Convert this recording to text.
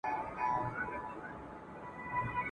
لا یې نه وو د آرام نفس ایستلی !.